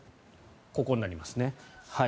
ここになりますね。